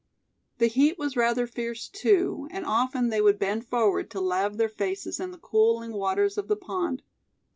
The heat was rather fierce, too, and often they would bend forward to lave their faces in the cooling waters of the pond.